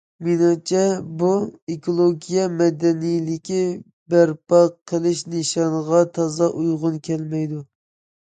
مېنىڭچە، بۇ، ئېكولوگىيە مەدەنىيلىكى بەرپا قىلىش نىشانىغا تازا ئۇيغۇن كەلمەيدۇ.